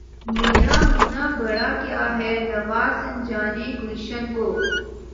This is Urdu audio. میرا ہونا برا کیا ہے‘ نوا سنجانِ گلشن کو!